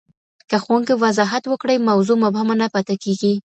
که ښوونکی وضاحت وکړي، موضوع مبهمه نه پاته کېږي.